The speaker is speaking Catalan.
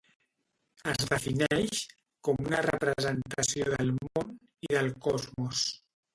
Es defineix com una representació del món i del cosmos.